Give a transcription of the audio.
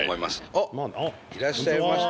あっいらっしゃいました。